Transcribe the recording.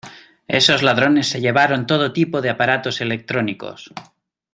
Esos ladrones se llevaron todo tipo de aparatos electrónicos.